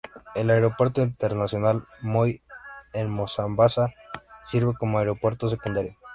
El Aeropuerto Internacional Moi en Mombasa sirve como aeropuerto secundario.